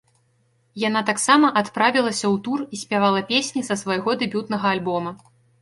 Яна таксама адправілася ў тур і спявала песні са свайго дэбютнага альбома.